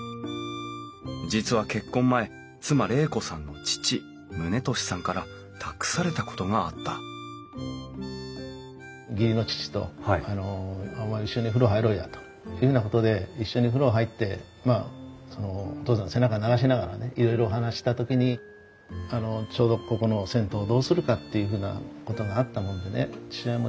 実は結婚前妻玲子さんの父宗利さんから託されたことがあったというようなことで一緒に風呂入ってまあお義父さんの背中流しながらねいろいろお話した時にちょうどここの銭湯をどうするかっていうふうなことがあったものでね。